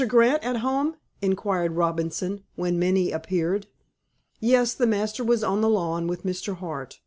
Grant at home?" inquired Robinson, when Minnie appeared. Yes, the master was on the lawn with Mr. Hart.